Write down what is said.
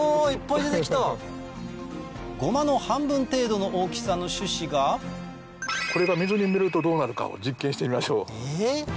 ゴマの半分程度の大きさの種子がこれが水にぬれるとどうなるかを実験してみましょう。